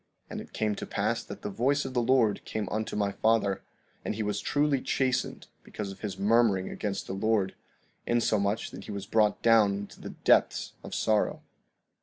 16:25 And it came to pass that the voice of the Lord came unto my father; and he was truly chastened because of his murmuring against the Lord, insomuch that he was brought down into the depths of sorrow.